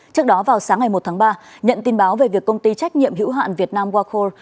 trước đó vào sáng ngày một tháng ba nhận tin báo về việc công ty trách nhiệm hữu hạn việt nam wacore